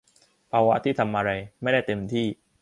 ภาวะที่ทำอะไรไม่ได้เต็มที่